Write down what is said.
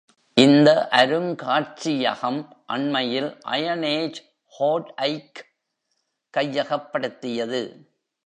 இந்த அருங்காட்சியகம் அண்மையில் Iron Age Hoard-ஐக் கையகப்படுத்தியது.